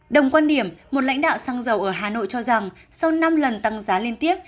đồng quan điểm một lãnh đạo xăng dầu ở hà nội cho rằng sau năm lần tăng giá liên tiếp